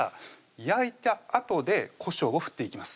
焼いたあとでこしょうを振っていきます